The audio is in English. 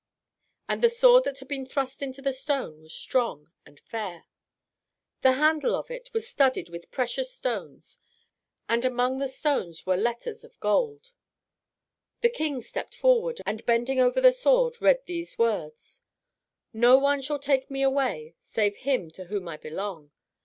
And the sword that had been thrust into the stone was strong and fair. The handle of it was studded with precious stones, and among the stones there were letters of gold. The King stepped forward, and bending over the sword read these words: "No one shall take me away save him to whom I belong.